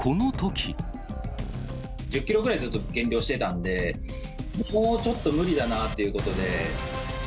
１０キロぐらいずっと減量してたんで、もうちょっと無理だなということで。